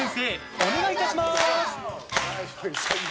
お願いいたします。